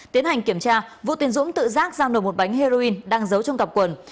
tiến hành kiểm tra vũ tiến dũng tự rác ra nồi một bánh heroin đang giấu trong cặp quần